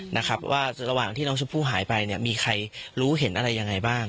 นะครับว่าระหว่างที่น้องชมพู่หายไปเนี่ยมีใครรู้เห็นอะไรยังไงบ้าง